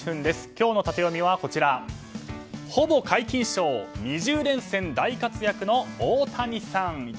今日のタテヨミは、ほぼ皆勤賞２０連戦大活躍のオオタニサン。